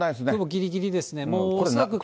ぎりぎりですね。